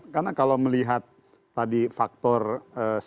karena kalau melihat tadi faktor sejarah